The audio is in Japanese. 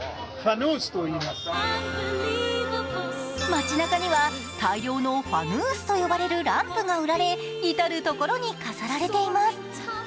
街なかには大量のファヌースと呼ばれるランプが売られ、至る所に飾られています。